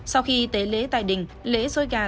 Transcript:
sau khi tế lễ tại đình lễ xôi gà sẽ được mang ra đình